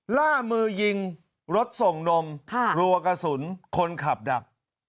ล่ามือยิงรถส่งนมรัวกระสุนคนขับดัก